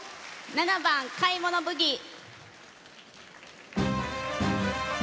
７番「買物ブギー」。